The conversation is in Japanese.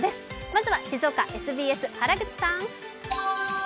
まずは静岡、ＳＢＳ・原口さん。